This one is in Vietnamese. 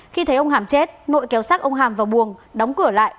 khi thấy ông hàm chết nội kéo sát ông hàm vào buồng đóng cửa lại